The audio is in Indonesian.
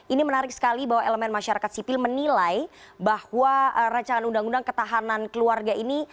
ini menarik sekali bahwa elemen masyarakat sipil menilai bahwa rancangan undang undang ketahanan keluarga ini